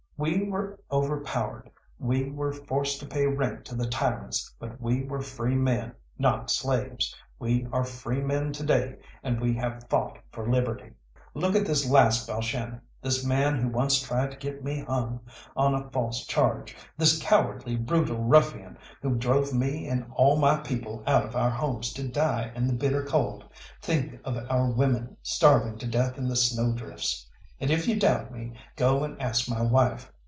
We were overpowered, we were forced to pay rent to the tyrants, but we were free men, not slaves; we are free men to day, and we have fought for liberty. "Look at this last Balshannon, this man who once tried to get me hung on a false charge, this cowardly, brutal ruffian, who drove me and all my people out of our homes to die in the bitter cold. Think of our women starving to death in the snow drifts and, if you doubt me, go and ask me wife.